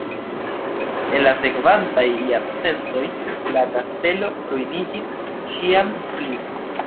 En la sekvantaj jarcentoj la kastelo ruiniĝis ĉiam pli.